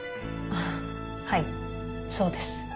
あっはいそうです。